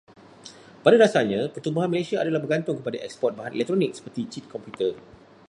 Pada dasarnya, pertumbuhan Malaysia adalah bergantung kepada eksport bahan elektronik seperti cip komputer.